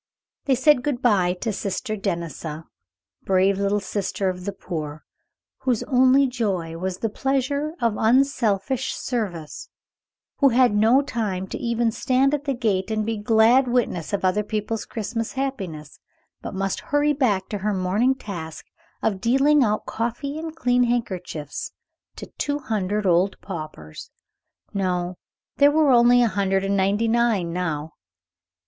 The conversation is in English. They said good by to Sister Denisa, brave Little Sister of the Poor, whose only joy was the pleasure of unselfish service; who had no time to even stand at the gate and be a glad witness of other people's Christmas happiness, but must hurry back to her morning task of dealing out coffee and clean handkerchiefs to two hundred old paupers. No, there were only a hundred and ninety nine now.